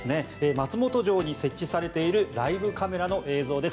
松本城に設置されているライブカメラの映像です。